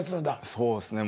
そうですね。